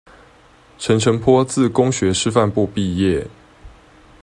陳澄波自公學師範部畢業